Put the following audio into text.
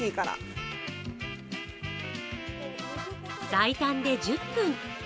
最短で１０分。